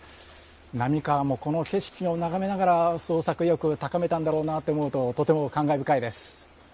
並河も、この景色を眺めながら創作意欲を高めたんだろうなと思うと、とても感慨深いです。